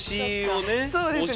そうですね。